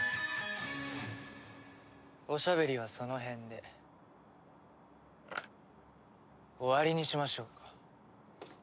おしゃべりはその辺で終わりにしましょうか。